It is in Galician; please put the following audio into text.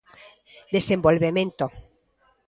Desenvolvemento.